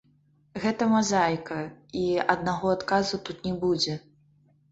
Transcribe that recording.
Гэта мазаіка, і аднаго адказу тут не будзе.